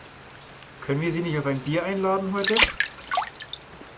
Können wir sie nicht auf ein Bier einladen heute?